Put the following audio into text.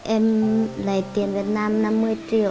em lấy tiền việt nam năm mươi triệu